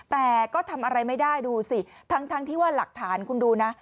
แต่ก็ทำอะไรไม่ได้ดูสิทั้งที่ว่าหลักฐานคุณดูนะ